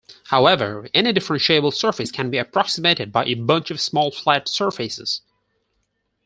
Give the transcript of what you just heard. However, any differentiable surface can be approximated by a bunch of small flat surfaces.